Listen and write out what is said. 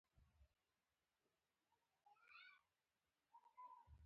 کوتره وفاداره مرغه ده.